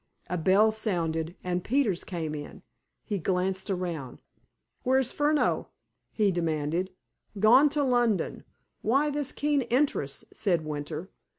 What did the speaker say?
A bell sounded, and Peters came in. He glanced around. "Where's Furneaux?" he demanded. "Gone to London. Why this keen interest?" said Winter.